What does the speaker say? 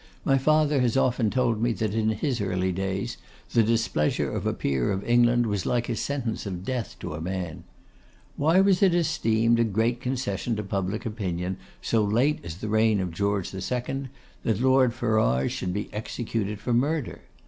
My father has often told me that in his early days the displeasure of a peer of England was like a sentence of death to a man. Why it was esteemed a great concession to public opinion, so late as the reign of George II., that Lord Ferrars should be executed for murder.